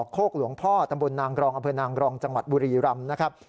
โคกหลวงพ่อตำบลนางกรองอำเภอนางรองจังหวัดบุรีรำนะครับ